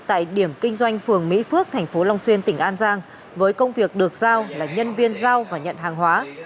tại điểm kinh doanh phường mỹ phước tp long xuyên tỉnh an giang với công việc được giao là nhân viên giao và nhận hàng hóa